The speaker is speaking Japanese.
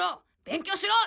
勉強しろ！